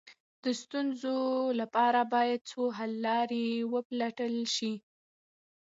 د ستونزو لپاره باید څو حل لارې وپلټل شي.